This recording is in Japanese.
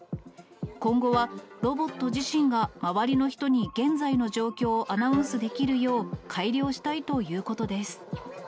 今後はロボット自身が周りの人に現在の状況をアナウンスできるよう、改良したいということです。